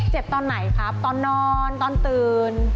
ตอนไหนครับตอนนอนตอนตื่น